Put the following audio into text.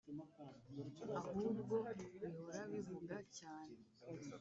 ahubwo bihora bivuga cyane